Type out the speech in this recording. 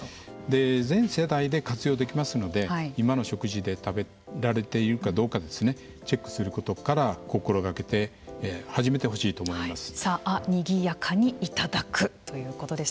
全世代で活用できますので今の食事で食べられているかどうかですねチェックすることから心がけて「さあ、にぎやかにいただく」ということです。